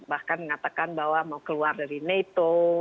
bahkan mengatakan bahwa mau keluar dari nato